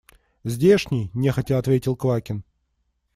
Здешний, – нехотя ответил Квакин.